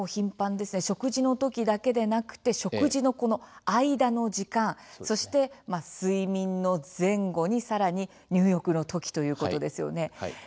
食事の時だけではなくて食事の間の時間そして睡眠の前後にさらに入浴の時ということですね。